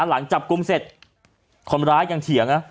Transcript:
หลังจับกลุ่มเสร็จคนร้ายยังเถียง